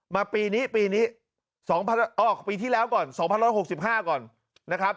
ปีนี้ปีนี้๒ปีที่แล้วก่อน๒๑๖๕ก่อนนะครับ